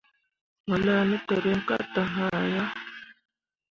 Mo laa ne tǝrîi ka te ŋaa ah.